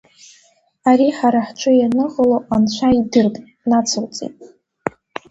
Ари ҳара ҳҿы ианыҟало Анцәа идырп, нацылҵеит.